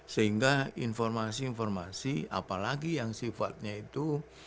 sehingga informasi informasi apalagi yang sifatnya itu